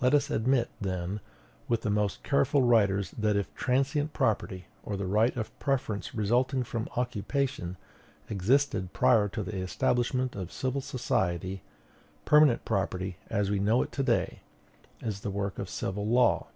Let us admit, then, with the most careful writers, that if transient property, or the right of preference resulting from occupation, existed prior to the establishment of civil society, permanent property, as we know it to day, is the work of civil law.